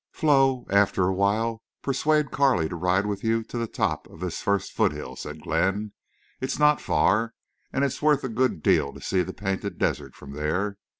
"Flo, after a while persuade Carley to ride with you to the top of this first foothill," said Glenn. "It's not far, and it's worth a good deal to see the Painted Desert from there.